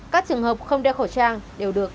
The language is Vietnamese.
các trường hợp không đeo khẩu trang đều được